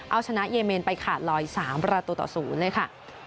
เอาชนะเยเมนไปขาดลอย๓ประตูต่อ๐เลยค่ะ